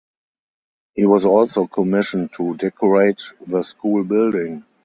He was also commissioned to decorate the school building.